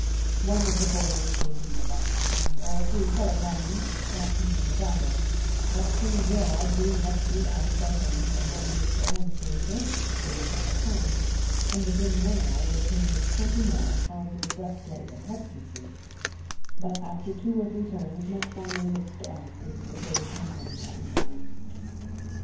"One of the foreigners gave him the lie, and all three fell upon him, and stabbed him with a dagger; but Colonel Gerard being rescued out of their hands by one Mr. Anthuser, they retired home, and within one hour returned with twenty more, armed with breastplate and head pieces; but after two or three turns, not finding Mr. Anthuser, they returned home that night."